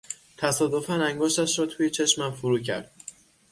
تصادفا انگشتش را توی چشمم فرو کرد.